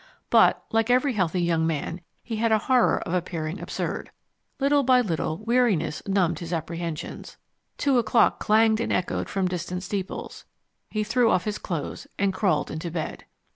But, like every healthy young man, he had a horror of appearing absurd. Little by little weariness numbed his apprehensions. Two o'clock clanged and echoed from distant steeples. He threw off his clothes and crawled into bed.